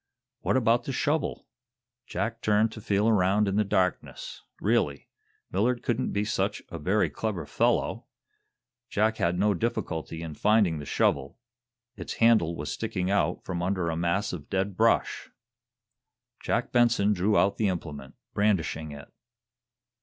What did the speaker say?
What about the shovel? Jack turned to feel around in the darkness. Really, Millard couldn't be such a very clever fellow! Jack had no difficulty in finding the shovel. Its handle was sticking out from under a mass of dead brush. Jack Benson drew out the implement, brandishing it.